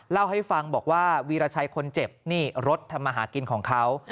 เล่าให้ฟังบอกว่าวีรชัยคนเจ็บนี่รถทำมาหากินของเขา